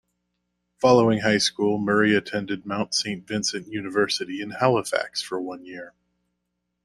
Following high school, Murray attended Mount Saint Vincent University in Halifax for one year.